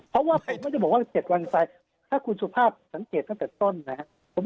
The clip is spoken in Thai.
เพราะว่าไม่ได้บอกว่า๗วันไปถ้าคุณสุภาพสังเกตตั้งแต่ต้นนะครับ